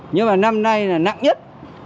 nhưng mà năm nay là nặng nhất